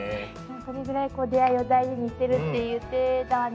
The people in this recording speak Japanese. それぐらい出会いを大事にしてるって言ってたわね。